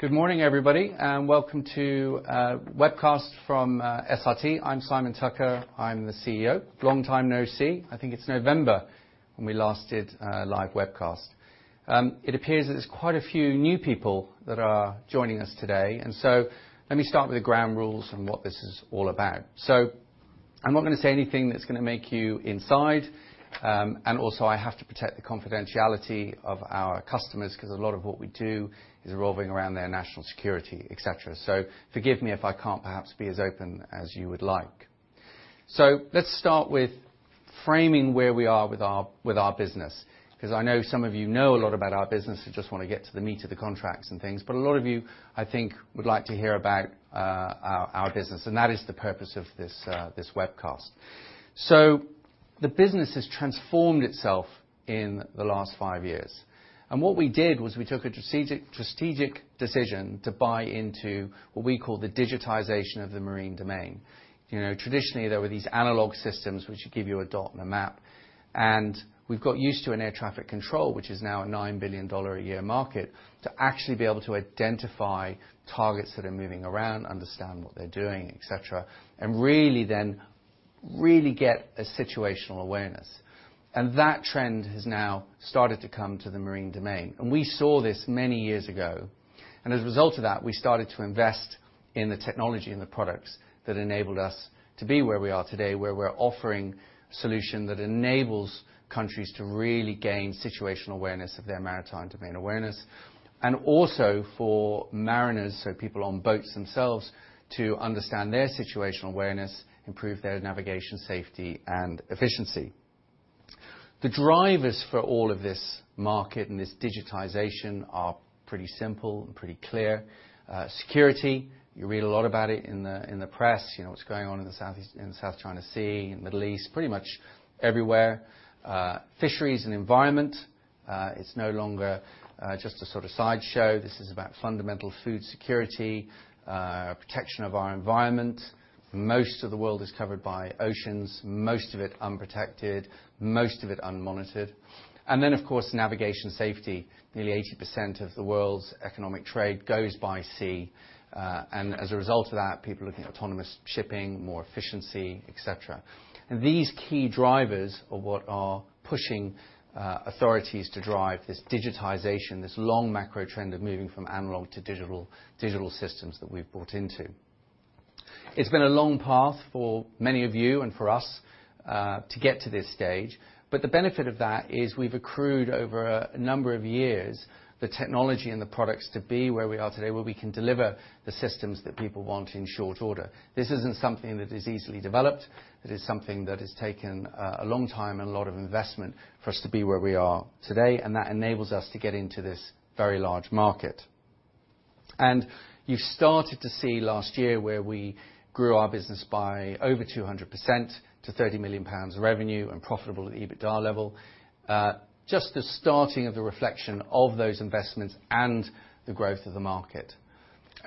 Good morning, everybody, and welcome to webcast from SRT. I'm Simon Tucker. I'm the CEO. Long time, no see. I think it's November when we last did a live webcast. It appears that there's quite a few new people that are joining us today, and so let me start with the ground rules and what this is all about. I'm not gonna say anything that's gonna make you inside, and also, I have to protect the confidentiality of our customers, 'cause a lot of what we do is revolving around their national security, et cetera. Forgive me if I can't perhaps be as open as you would like. Let's start with framing where we are with our, with our business, 'cause I know some of you know a lot about our business and just want to get to the meat of the contracts and things. A lot of you, I think, would like to hear about our business, and that is the purpose of this webcast. The business has transformed itself in the last five years, and what we did was we took a strategic decision to buy into what we call the digitization of the marine domain. You know, traditionally, there were these analog systems which would give you a dot and a map, and we've got used to an air traffic control, which is now a $9 billion a year market, to actually be able to identify targets that are moving around, understand what they're doing, et cetera, and really then really get a situational awareness. That trend has now started to come to the marine domain, and we saw this many years ago, and as a result of that, we started to invest in the technology and the products that enabled us to be where we are today, where we're offering solution that enables countries to really gain situational awareness of their maritime domain awareness, and also for mariners, so people on boats themselves, to understand their situational awareness, improve their navigation, safety, and efficiency. The drivers for all of this market and this digitization are pretty simple and pretty clear. Security, you read a lot about it in the, in the press, you know, what's going on in the Southeast, in the South China Sea, in Middle East, pretty much everywhere. Fisheries environment, it's no longer just a sort of sideshow. This is about fundamental food security, protection of our environment. Most of the world is covered by oceans, most of it unprotected, most of it unmonitored. Of course, navigation safety. Nearly 80% of the world's economic trade goes by sea, and as a result of that, people are looking at autonomous shipping, more efficiency, et cetera. These key drivers are what are pushing authorities to drive this digitization, this long macro trend of moving from analog to digital systems that we've bought into. It's been a long path for many of you and for us to get to this stage, but the benefit of that is we've accrued over a number of years, the technology and the products to be where we are today, where we can deliver the systems that people want in short order. This isn't something that is easily developed. It is something that has taken a long time and a lot of investment for us to be where we are today, and that enables us to get into this very large market. You've started to see last year where we grew our business by over 200% to 30 million pounds of revenue and profitable at the EBITDA level, just the starting of the reflection of those investments and the growth of the market.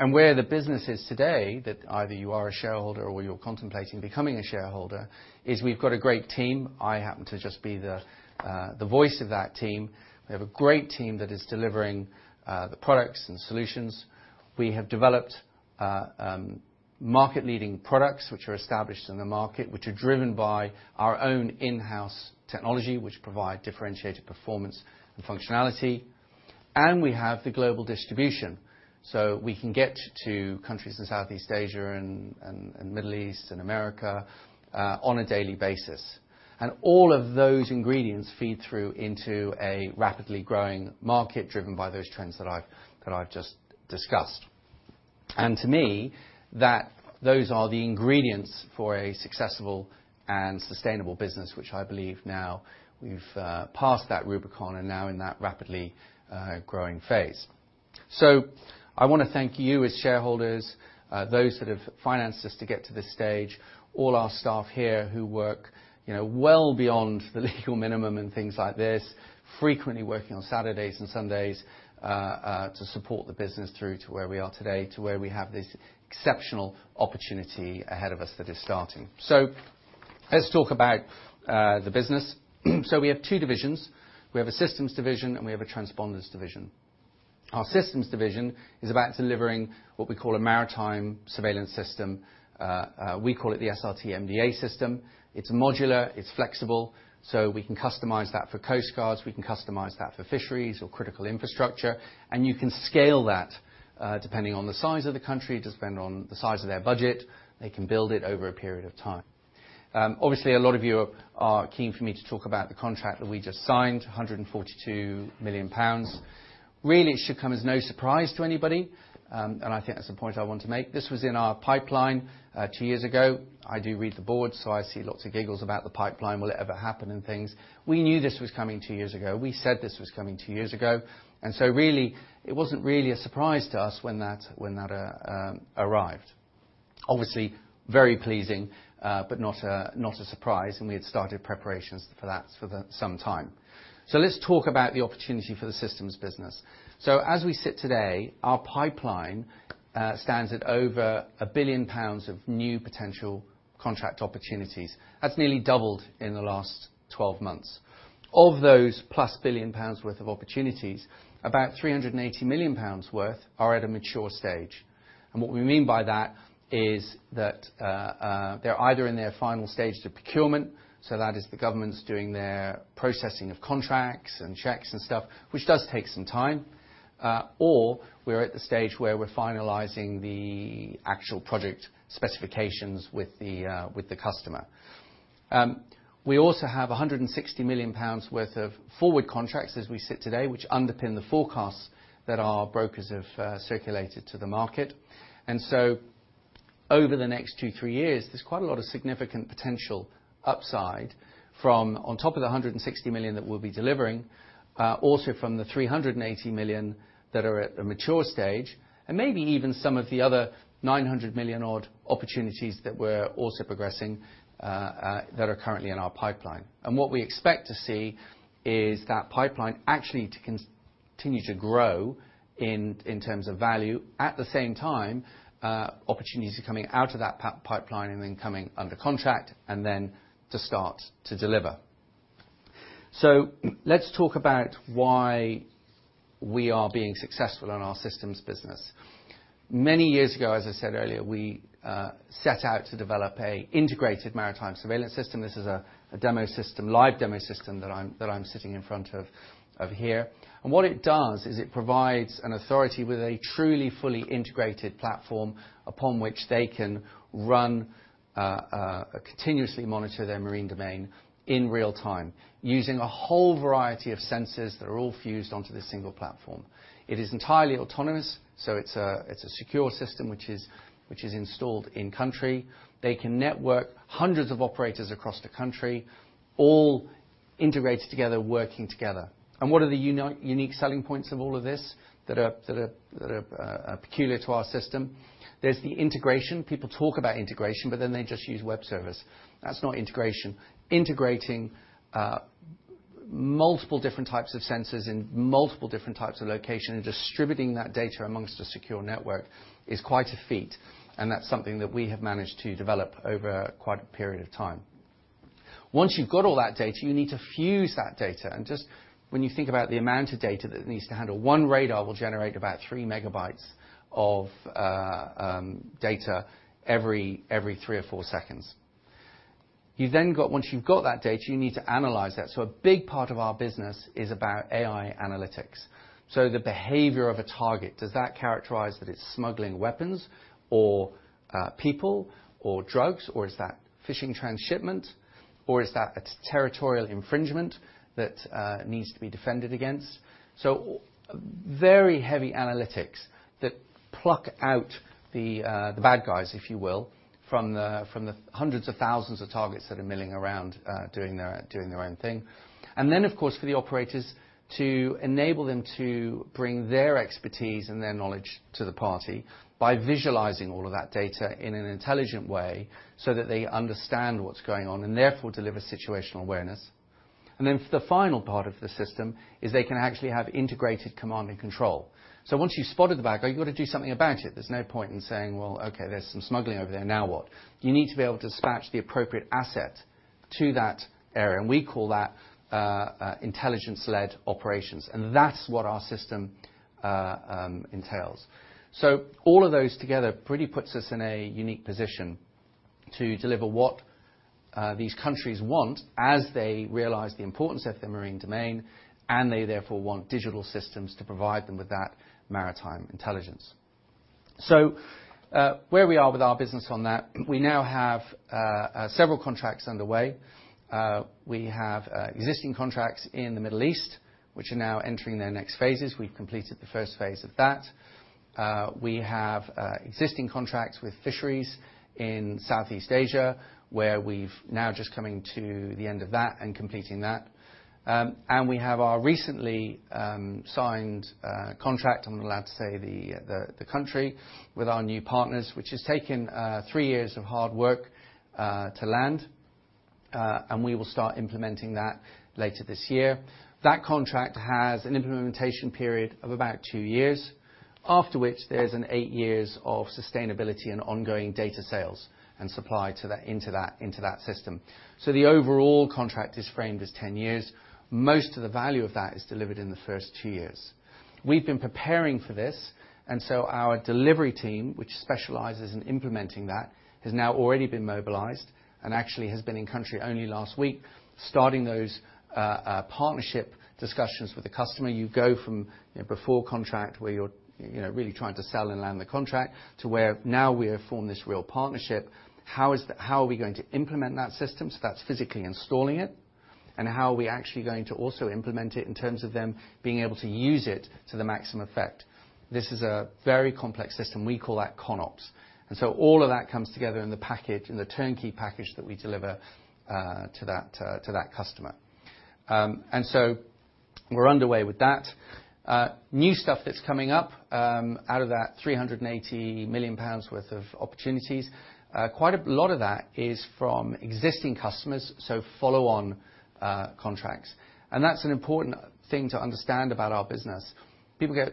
Where the business is today, that either you are a shareholder or you're contemplating becoming a shareholder, is we've got a great team. I happen to just be the voice of that team. We have a great team that is delivering the products and solutions. We have developed market-leading products, which are established in the market, which are driven by our own in-house technology, which provide differentiated performance and functionality. We have the global distribution, so we can get to countries in Southeast Asia and Middle East and America on a daily basis. All of those ingredients feed through into a rapidly growing market, driven by those trends that I've, that I've just discussed. To me, those are the ingredients for a successful and sustainable business, which I believe now we've passed that Rubicon and now in that rapidly growing phase. I want to thank you as shareholders, those that have financed us to get to this stage, all our staff here who work, you know, well beyond the legal minimum and things like this, frequently working on Saturdays and Sundays to support the business through to where we are today, to where we have this exceptional opportunity ahead of us that is starting. Let's talk about the business. We have two divisions. We have a systems division, and we have a transponders division. Our systems division is about delivering what we call a maritime surveillance system. We call it the SRT-MDA System. It's modular, it's flexible, so we can customize that for coast guards, we can customize that for fisheries or critical infrastructure, and you can scale that, depending on the size of the country, depending on the size of their budget, they can build it over a period of time. Obviously, a lot of you are keen for me to talk about the contract that we just signed, 142 million pounds. Really, it should come as no surprise to anybody. I think that's the point I want to make. This was in our pipeline, two years ago. I do read the board, so I see lots of giggles about the pipeline, will it ever happen, and things. We knew this was coming two years ago. We said this was coming two years ago. Really, it wasn't really a surprise to us when that arrived. Obviously, very pleasing, but not a surprise, and we had started preparations for that for some time. Let's talk about the opportunity for the systems business. As we sit today, our pipeline stands at over 1 billion pounds of new potential contract opportunities. That's nearly doubled in the last 12 months. Of those plus 1 billion pounds worth of opportunities, about 380 million pounds worth are at a mature stage. What we mean by that is that they're either in their final stage to procurement, so that is the government's doing their processing of contracts and checks and stuff, which does take some time, or we're at the stage where we're finalizing the actual project specifications with the customer. We also have 160 million pounds worth of forward contracts as we sit today, which underpin the forecasts that our brokers have, circulated to the market. Over the next two, three years, there's quite a lot of significant potential upside from on top of the 160 million that we'll be delivering, also from the 380 million that are at a mature stage, and maybe even some of the other 900 million odd opportunities that we're also progressing, that are currently in our pipeline. What we expect to see is that pipeline actually to continue to grow in terms of value. At the same time, opportunities are coming out of that pipeline and then coming under contract and then to start to deliver. Let's talk about why we are being successful in our systems business. Many years ago, as I said earlier, we set out to develop a integrated maritime surveillance system. This is a demo system, live demo system that I'm sitting in front of here. What it does is it provides an authority with a truly, fully integrated platform upon which they can run, continuously monitor their maritime domain in real time, using a whole variety of sensors that are all fused onto this single platform. It is entirely autonomous, so it's a secure system which is installed in country. They can network hundreds of operators across the country, all integrated together, working together. What are the unique selling points of all of this that are peculiar to our system? There's the integration. People talk about integration, but then they just use web service. That's not integration. Integrating multiple different types of sensors in multiple different types of locations and distributing that data amongst a secure network is quite a feat, and that's something that we have managed to develop over quite a period of time. Once you've got all that data, you need to fuse that data, and just when you think about the amount of data that it needs to handle, one radar will generate about 3M of data every three or four seconds. Once you've got that data, you need to analyze that. A big part of our business is about AI analytics. The behavior of a target, does that characterize that it's smuggling weapons or people or drugs, or is that fishing transshipment, or is that a territorial infringement that needs to be defended against? Very heavy analytics that pluck out the bad guys, if you will, from the hundreds of thousands of targets that are milling around, doing their, doing their own thing. Of course, for the operators, to enable them to bring their expertise and their knowledge to the party by visualizing all of that data in an intelligent way so that they understand what's going on, and therefore deliver situational awareness. For the final part of the system, is they can actually have integrated command and control. Once you've spotted the bad guy, you've got to do something about it. There's no point in saying, "Well, okay, there's some smuggling over there. Now what?" You need to be able to dispatch the appropriate asset to that area. We call that intelligence-led operations. That's what our system entails. All of those together pretty puts us in a unique position to deliver what these countries want as they realize the importance of the marine domain. They therefore want digital systems to provide them with that maritime intelligence. Where we are with our business on that, we now have several contracts underway. We have existing contracts in the Middle East, which are now entering their next phases. We've completed the first phase of that. We have existing contracts with fisheries in Southeast Asia, where we've now just coming to the end of that and completing that. We have our recently signed contract, I'm allowed to say the country, with our new partners, which has taken three years of hard work to land, and we will start implementing that later this year. That contract has an implementation period of about two years, after which there's an eight years of sustainability and ongoing data sales and supply into that system. The overall contract is framed as 10 years. Most of the value of that is delivered in the first two years. We've been preparing for this. Our delivery team, which specializes in implementing that, has now already been mobilized and actually has been in country only last week, starting those partnership discussions with the customer. You go from, you know, before contract, where you're, you know, really trying to sell and land the contract, to where now we have formed this real partnership. How are we going to implement that system? So that's physically installing it. How are we actually going to also implement it in terms of them being able to use it to the maximum effect? This is a very complex system. We call that ConOps. All of that comes together in the package, in the turnkey package that we deliver to that, to that customer. We're underway with that. New stuff that's coming up out of that 380 million pounds worth of opportunities, quite a lot of that is from existing customers, so follow-on contracts. That's an important thing to understand about our business. People get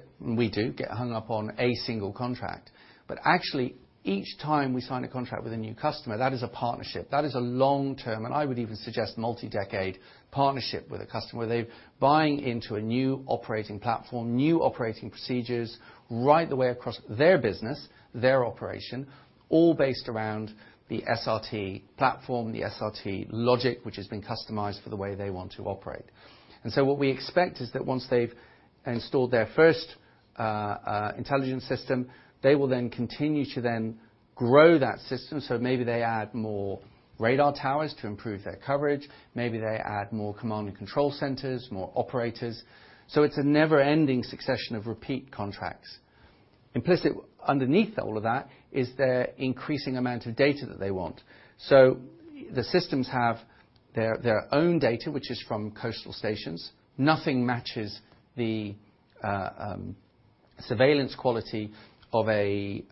hung up on a single contract, but actually, each time we sign a contract with a new customer, that is a partnership. That is a long-term, and I would even suggest multi-decade, partnership with a customer. They're buying into a new operating platform, new operating procedures, right the way across their business, their operation, all based around the SRT platform, the SRT logic, which has been customized for the way they want to operate. What we expect is that once they've installed their first intelligence system, they will then continue to then grow that system. Maybe they add more radar towers to improve their coverage, maybe they add more command and control centers, more operators. It's a never-ending succession of repeat contracts. Implicit underneath all of that is their increasing amount of data that they want. The systems have their own data, which is from coastal stations. Nothing matches the surveillance quality of a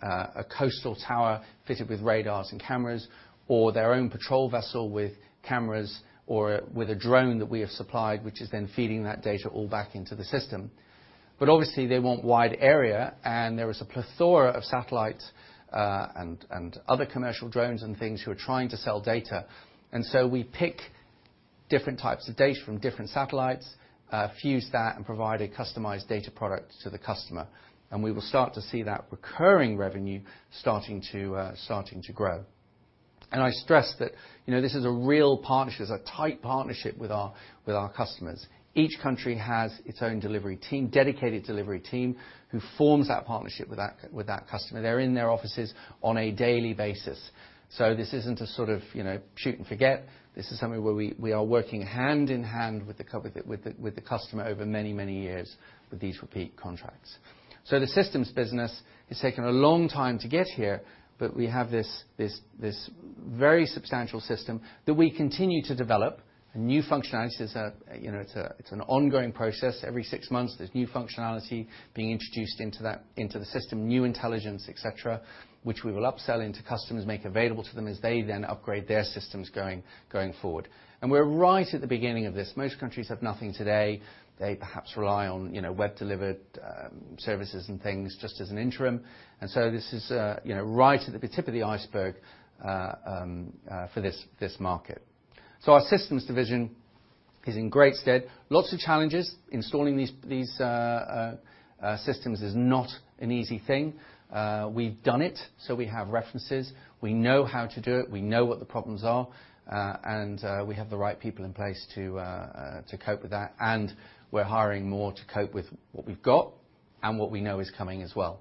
coastal tower fitted with radars and cameras, or their own patrol vessel with cameras, or with a drone that we have supplied, which is then feeding that data all back into the system. Obviously, they want wide area, and there is a plethora of satellites and other commercial drones and things who are trying to sell data. We pick different types of data from different satellites, fuse that, and provide a customized data product to the customer. We will start to see that recurring revenue starting to grow. I stress that, you know, this is a real partnership, it's a tight partnership with our customers. Each country has its own delivery team, dedicated delivery team, who forms that partnership with that customer. They're in their offices on a daily basis. This isn't a sort of, you know, shoot and forget. This is something where we are working hand-in-hand with the customer over many, many years with these repeat contracts. The systems business has taken a long time to get here, but we have this very substantial system that we continue to develop. New functionality is a, you know, it's a, it's an ongoing process. Every six months, there's new functionality being introduced into the system, new intelligence, et cetera, which we will upsell into customers, make available to them as they then upgrade their systems going forward. We're right at the beginning of this. Most countries have nothing today. They perhaps rely on, you know, web-delivered services and things just as an interim. This is, you know, right at the tip of the iceberg for this market. Our systems division is in great stead. Lots of challenges. Installing these systems is not an easy thing. We've done it, so we have references, we know how to do it, we know what the problems are, and we have the right people in place to cope with that, and we're hiring more to cope with what we've got and what we know is coming as well.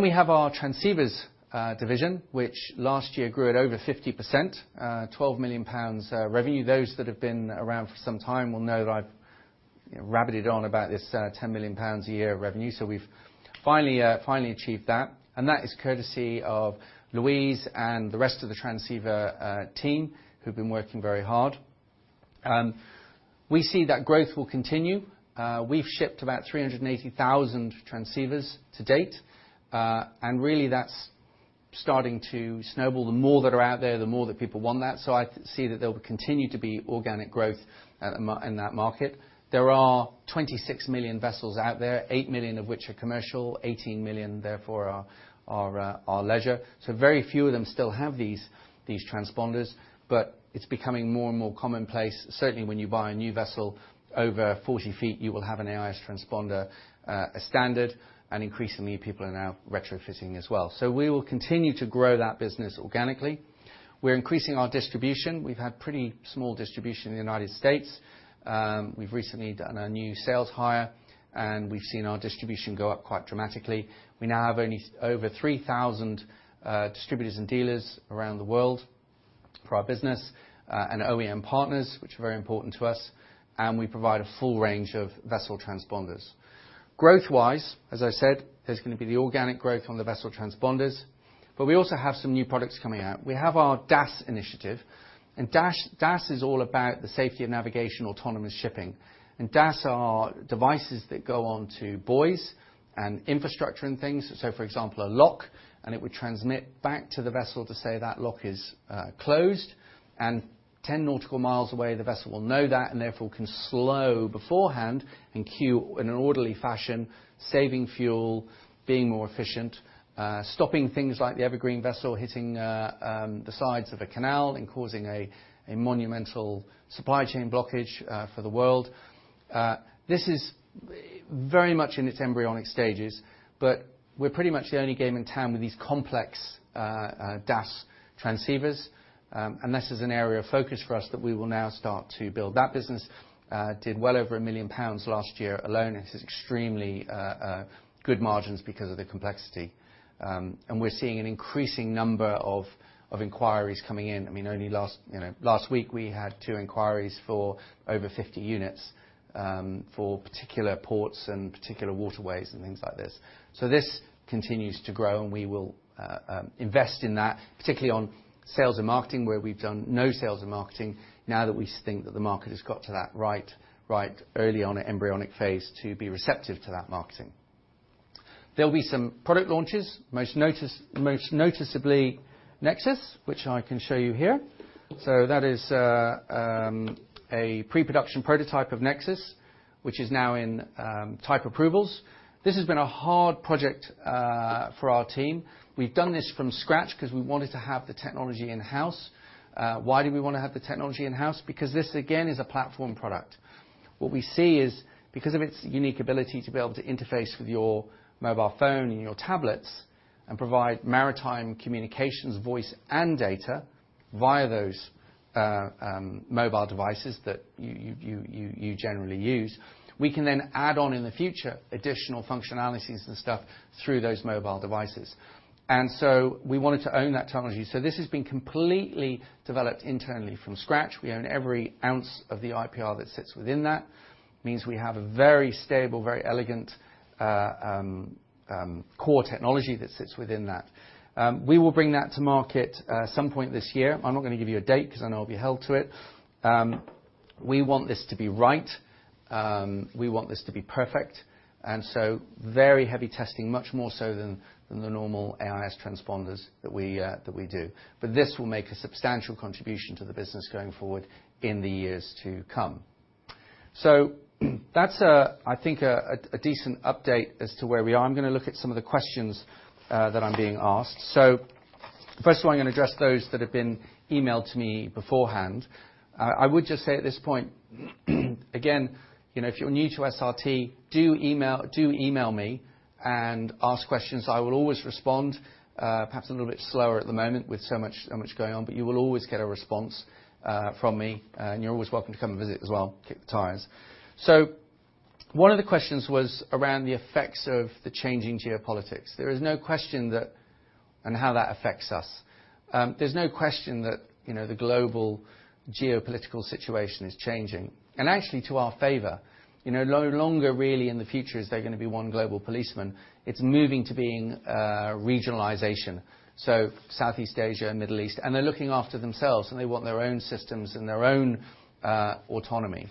We have our transceivers division, which last year grew at over 50%, 12 million pounds revenue. Those that have been around for some time will know that I've rabbited on about this, 10 million pounds a year of revenue. We've finally achieved that, and that is courtesy of Louise and the rest of the transceiver team, who've been working very hard. We see that growth will continue. We've shipped about 380,000 transceivers to date, and really, that's starting to snowball. The more that are out there, the more that people want that. I see that there will continue to be organic growth in that market. There are 26 million vessels out there, eight million of which are commercial, 18 million, therefore, are leisure. Very few of them still have these transponders, but it's becoming more and more commonplace. Certainly, when you buy a new vessel over 40 feet, you will have an AIS transponder as standard, and increasingly, people are now retrofitting as well. We will continue to grow that business organically. We're increasing our distribution. We've had pretty small distribution in the United States. We've recently done a new sales hire. We've seen our distribution go up quite dramatically. We now have over 3,000 distributors and dealers around the world for our business and OEM partners, which are very important to us. We provide a full range of vessel transponders. Growth-wise, as I said, there's gonna be the organic growth on the vessel transponders. We also have some new products coming out. We have our DAS initiative. DAS is all about the safety of navigation, autonomous shipping. DAS are devices that go on to buoys and infrastructure and things. For example, a lock, it would transmit back to the vessel to say, that lock is closed, 10 nautical miles away, the vessel will know that, therefore, can slow beforehand and queue in an orderly fashion, saving fuel, being more efficient, stopping things like the Evergreen vessel hitting the sides of a canal and causing a monumental supply chain blockage for the world. This is very much in its embryonic stages, we're pretty much the only game in town with these complex DAS transceivers, this is an area of focus for us that we will now start to build. That business did well over 1 million pounds last year alone. It has extremely good margins because of the complexity. We're seeing an increasing number of inquiries coming in. I mean, only last, you know, last week, we had two inquiries for over 50 units for particular ports and particular waterways and things like this. This continues to grow, and we will invest in that, particularly on sales and marketing, where we've done no sales and marketing, now that we think that the market has got to that right, early on embryonic phase to be receptive to that marketing. There'll be some product launches, most noticeably Nexus, which I can show you here. That is a pre-production prototype of Nexus, which is now in type approvals. This has been a hard project for our team. We've done this from scratch because we wanted to have the technology in-house. Why do we want to have the technology in-house? This, again, is a platform product. What we see is, because of its unique ability to be able to interface with your mobile phone and your tablets and provide maritime communications, voice, and data via those mobile devices that you generally use, we can then add on in the future, additional functionalities and stuff through those mobile devices. We wanted to own that technology. This has been completely developed internally from scratch. We own every ounce of the IPR that sits within that. Means we have a very stable, very elegant, core technology that sits within that. We will bring that to market at some point this year. I'm not gonna give you a date, 'cause I know I'll be held to it. We want this to be right. We want this to be perfect, and so very heavy testing, much more so than the normal AIS transponders that we do. This will make a substantial contribution to the business going forward in the years to come. That's a, I think, a decent update as to where we are. I'm gonna look at some of the questions that I'm being asked. First of all, I'm gonna address those that have been emailed to me beforehand. I would just say at this point, again, you know, if you're new to SRT, do email me and ask questions. I will always respond. Perhaps a little bit slower at the moment, with so much going on, but you will always get a response from me, and you're always welcome to come and visit as well, kick the tires. One of the questions was around the effects of the changing geopolitics. There is no question that and how that affects us. There's no question that, you know, the global geopolitical situation is changing, and actually, to our favor. You know, no longer really in the future is there gonna be one global policeman. It's moving to being regionalization, so Southeast Asia and Middle East, and they're looking after themselves, and they want their own systems and their own autonomy.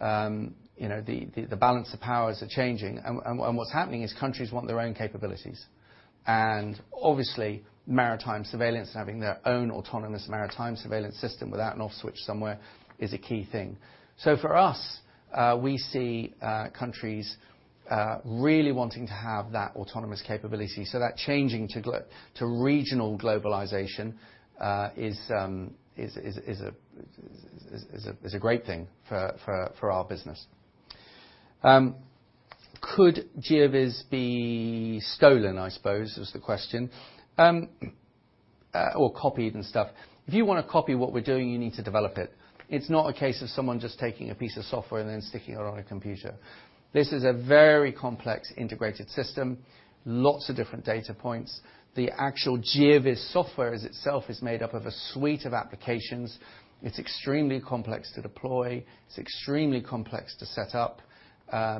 The balance of powers are changing, and what's happening is countries want their own capabilities. Obviously, maritime surveillance, having their own autonomous maritime surveillance system, without an off switch somewhere, is a key thing. For us, we see countries really wanting to have that autonomous capability. That changing to regional globalization is a great thing for our business. Could GeoVS be stolen, I suppose, is the question? Or copied and stuff. If you want to copy what we're doing, you need to develop it. It's not a case of someone just taking a piece of software and then sticking it on a computer. This is a very complex, integrated system, lots of different data points. The actual GeoVS software itself is made up of a suite of applications. It's extremely complex to deploy. It's extremely complex to set up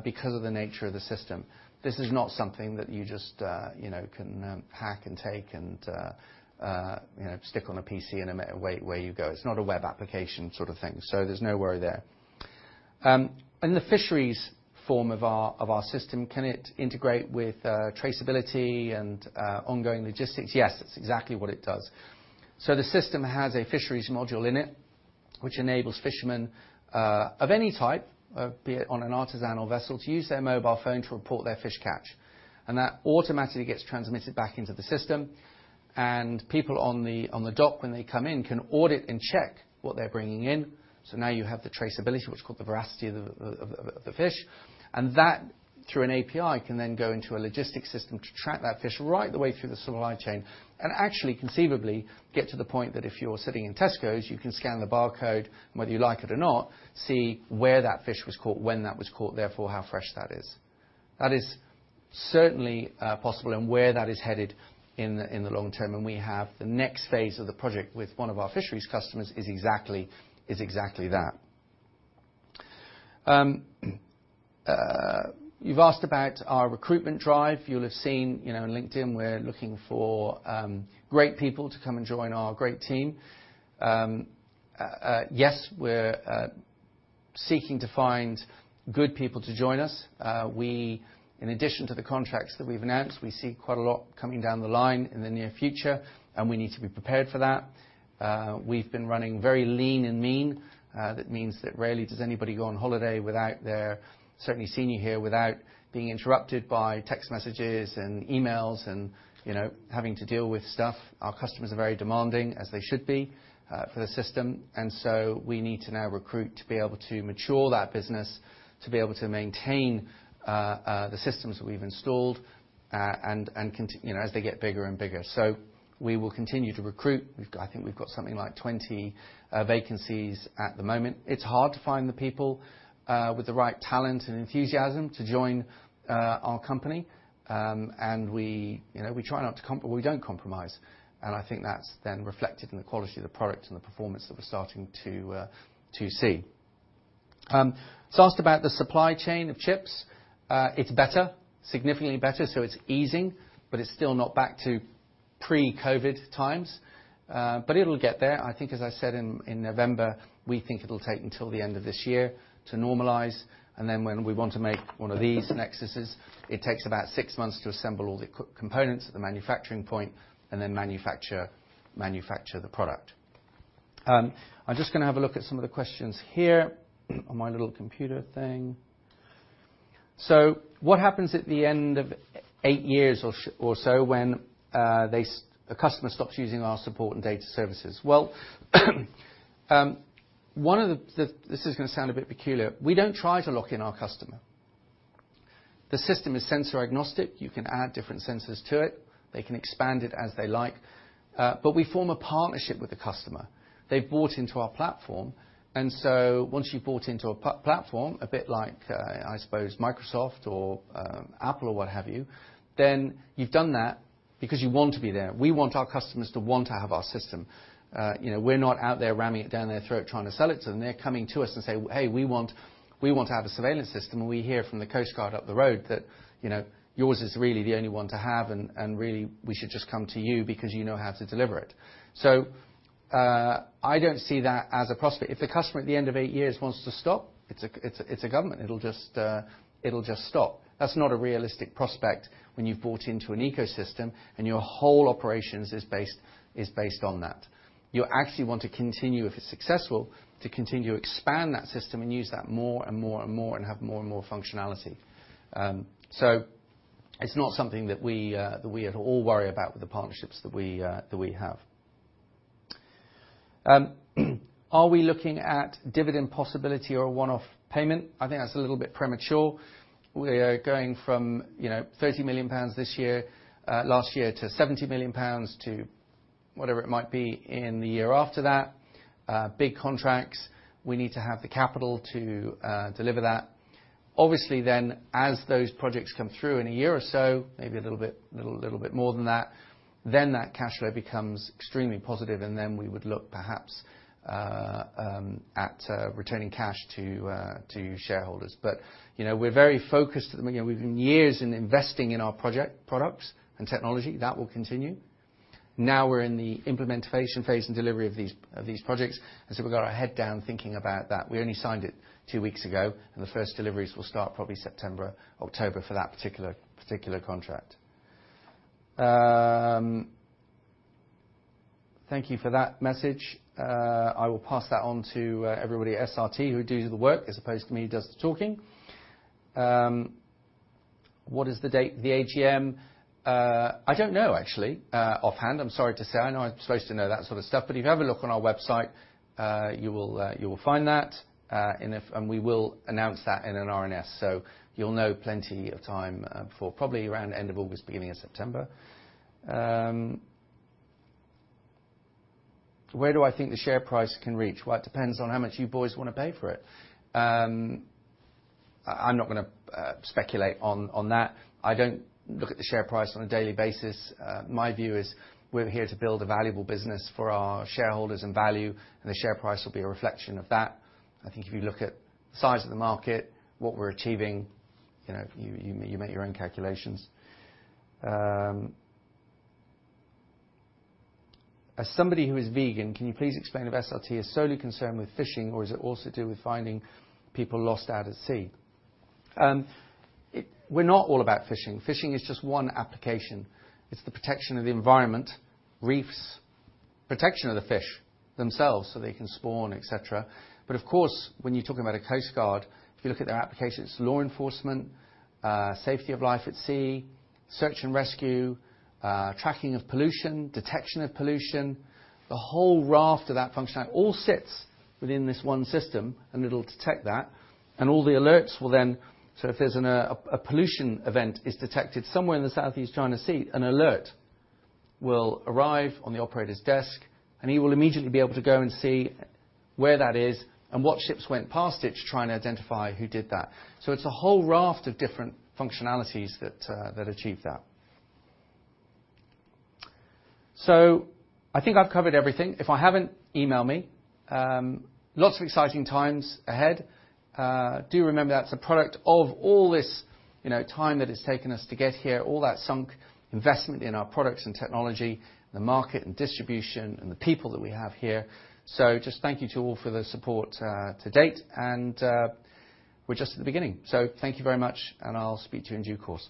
because of the nature of the system. This is not something that you just, you know, can pack and take and, you know, stick on a PC and away you go. It's not a web application sort of thing, so there's no worry there. The fisheries form of our system, can it integrate with traceability and ongoing logistics? Yes, that's exactly what it does. The system has a fisheries module in it, which enables fishermen of any type, be it on an artisanal vessel, to use their mobile phone to report their fish catch, and that automatically gets transmitted back into the system. People on the dock, when they come in, can audit and check what they're bringing in. Now you have the traceability, which is called the veracity of the fish. That, through an API, can then go into a logistics system to track that fish right the way through the supply chain, and actually, conceivably, get to the point that if you're sitting in Tesco, you can scan the barcode, and whether you like it or not, see where that fish was caught, when that was caught, therefore, how fresh that is. That is certainly possible and where that is headed in the long term, and we have the next phase of the project with one of our fisheries customers is exactly that. You've asked about our recruitment drive. You'll have seen, you know, in LinkedIn, we're looking for great people to come and join our great team. Yes, we're seeking to find good people to join us. We, in addition to the contracts that we've announced, we see quite a lot coming down the line in the near future, and we need to be prepared for that. We've been running very lean and mean. That means that rarely does anybody go on holiday certainly seeing you here, without being interrupted by text messages and emails and, you know, having to deal with stuff. Our customers are very demanding, as they should be, for the system. We need to now recruit to be able to mature that business, to be able to maintain the systems that we've installed, and, you know, as they get bigger and bigger. We will continue to recruit. We've got, I think we've got something like 20 vacancies at the moment. It's hard to find the people with the right talent and enthusiasm to join our company. We, you know, we try not to compromise, and I think that's then reflected in the quality of the product and the performance that we're starting to see. Asked about the supply chain of chips. It's better, significantly better, so it's easing, but it's still not back to pre-COVID times, but it'll get there. I think, as I said in November, we think it'll take until the end of this year to normalize. When we want to make one of these NEXUS's, it takes about six months to assemble all the components at the manufacturing point, and then manufacture the product. I'm just gonna have a look at some of the questions here on my little computer thing. What happens at the end of 8 years or so when a customer stops using our support and data services? Well, one of the... This is gonna sound a bit peculiar. We don't try to lock in our customer. The system is sensor-agnostic. You can add different sensors to it. They can expand it as they like. We form a partnership with the customer. They've bought into our platform, once you've bought into a platform, a bit like, I suppose Microsoft or Apple or what have you, then you've done that because you want to be there. We want our customers to want to have our system. You know, we're not out there ramming it down their throat, trying to sell it to them. They're coming to us and say, hey, we want to have a surveillance system, and we hear from the Coast Guard up the road that, you know, yours is really the only one to have, and really, we should just come to you because you know how to deliver it. I don't see that as a prospect. If the customer at the end of eight years wants to stop, it's a government. It'll just stop. That's not a realistic prospect when you've bought into an ecosystem, and your whole operations is based on that. You'll actually want to continue, if it's successful, to continue to expand that system and use that more and more and more, and have more and more functionality. It's not something that we that we at all worry about with the partnerships that we that we have. Are we looking at dividend possibility or a one-off payment? I think that's a little bit premature. We are going from, you know, 30 million pounds this year, last year, to 70 million pounds, to whatever it might be in the year after that. Big contracts, we need to have the capital to deliver that. Obviously, as those projects come through in a year or so, maybe a little bit more than that cash flow becomes extremely positive, we would look perhaps at returning cash to shareholders. You know, we're very focused at the moment. We've been years in investing in our project, products and technology. That will continue. We're in the implementation phase and delivery of these projects, we've got our head down thinking about that. We only signed it two weeks ago, the first deliveries will start probably September, October for that particular contract. Thank you for that message. I will pass that on to everybody at SRT who do the work, as opposed to me, who does the talking. What is the date of the AGM? I don't know, actually, offhand. I'm sorry to say. I know I'm supposed to know that sort of stuff, If you have a look on our website, you will, you will find that, We will announce that in an RNS, You'll know plenty of time, before, probably around the end of August, beginning of September. Where do I think the share price can reach? It depends on how much you boys wanna pay for it. I'm not gonna speculate on that. I don't look at the share price on a daily basis. My view is we're here to build a valuable business for our shareholders and value, and the share price will be a reflection of that. I think if you look at the size of the market, what we're achieving, you know, you make your own calculations. As somebody who is vegan, can you please explain if SRT is solely concerned with fishing, or is it also do with finding people lost out at sea? We're not all about fishing. Fishing is just one application. It's the protection of the environment, reefs, protection of the fish themselves so they can spawn, et cetera. Of course, when you're talking about a coast guard, if you look at their applications, law enforcement, safety of life at sea, search and rescue, tracking of pollution, detection of pollution. The whole raft of that functionality all sits within this one system, it'll detect that, and all the alerts will then. If there's a pollution event is detected somewhere in the Southeast China Sea, an alert will arrive on the operator's desk, and he will immediately be able to go and see where that is and what ships went past it to try and identify who did that. It's a whole raft of different functionalities that achieve that. I think I've covered everything. If I haven't, email me. Lots of exciting times ahead. Do remember that's a product of all this, you know, time that it's taken us to get here, all that sunk investment in our products and technology, the market and distribution, and the people that we have here. Just thank you to all for the support to date, and we're just at the beginning. Thank you very much, and I'll speak to you in due course.